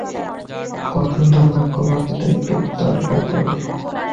Coffin, দুর্ভাগ্যবশত, একটু দরকার পড়ে।